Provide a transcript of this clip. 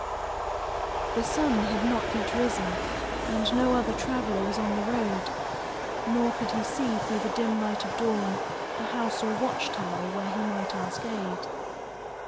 The sun had not yet risen and no other traveler was on the road, nor could he see through the dim light of dawn a house or watch tower where he might ask aid.